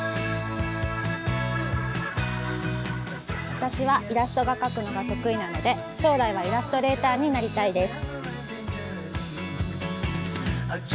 私はイラストを描くのが得意なので将来はイラストレーターになりたいです。